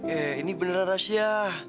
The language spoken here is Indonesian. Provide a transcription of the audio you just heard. iya ini beneran rahasia